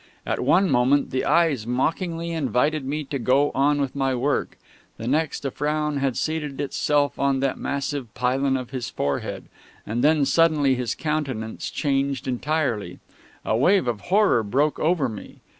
At one moment the eyes mockingly invited me to go on with my work; the next, a frown had seated itself on that massive pylon of his forehead; and then suddenly his countenance changed entirely.... A wave of horror broke over me.